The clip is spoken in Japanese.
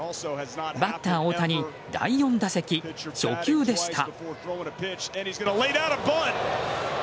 バッター大谷、第４打席初球でした。